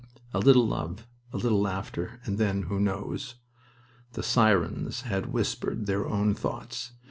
A little love, a little laughter, and then who knows? The sirens had whispered their own thoughts.